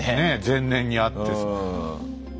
前年にあって。